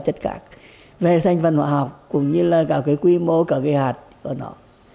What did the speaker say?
tất cả về sản phẩm họa học cũng như là cả cái quy mô cả cái hạt của nó